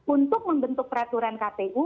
untuk membentuk peraturan kpu